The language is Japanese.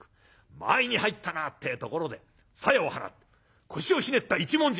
間合いに入ったなってえところでさやを払って腰をひねった一文字。